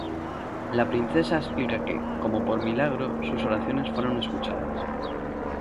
La princesa explica que, como por milagro, sus oraciones fueron escuchadas.